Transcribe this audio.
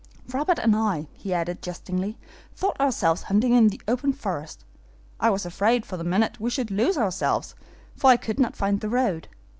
"Robert and I," he added, jestingly, "thought ourselves hunting in the open forest. I was afraid, for the minute, we should lose ourselves, for I could not find the road.